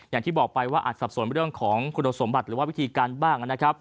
อย่างที่บอกไปว่าอาจสับสนเรื่องของคุณสมบัติหรือว่าวิธีการบ้างนะครับ